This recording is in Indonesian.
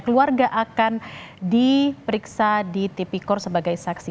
keluarga akan diperiksa di tipikor sebagai saksi